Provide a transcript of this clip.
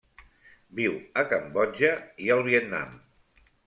Viu a Cambodja i el Vietnam.